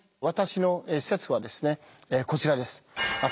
私の説はですねこちらです。